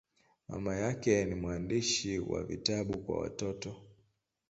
Mama yake ni mwandishi wa vitabu kwa watoto.